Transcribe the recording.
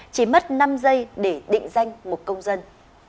chỉ mất năm giây để định danh một công dân